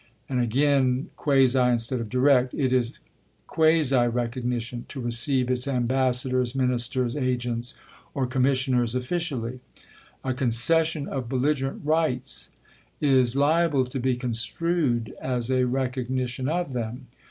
It is [quasi] direct recognition to receive its ambassadors, Ministers, agents, or commissioners offi cially. A concession of belligerent rights is liable to be construed as a recognition of them.